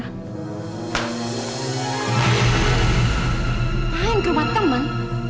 apa yang ke rumah temen